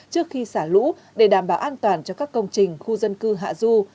trước khi xả lũ để đảm bảo an toàn cho các công trình khu dân cư hạ du